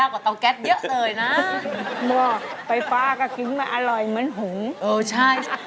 สวัสดีครับคุณหน่อย